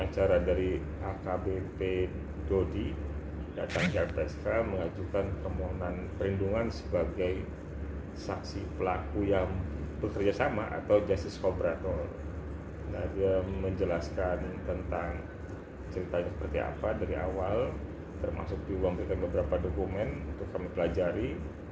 ceritanya seperti apa dari awal termasuk diwanggirkan beberapa dokumen untuk kami pelajari